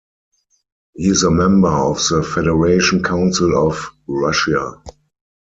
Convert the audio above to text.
He is a member of the Federation Council of Russia.